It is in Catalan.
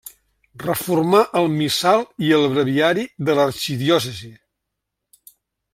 Reformà el missal i el breviari de l'arxidiòcesi.